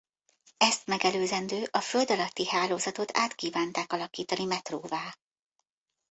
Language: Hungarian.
Ezt megelőzendő a földalatti hálózatot át kívánták alakítani metróvá.